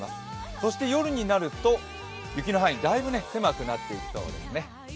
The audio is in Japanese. そして夜になると、雪の範囲、だいぶ狭くなっていきそうですね。